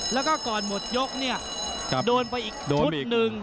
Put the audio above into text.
แล้วก็ก่อนหมดยกโดนไปอีกทุ่นนึง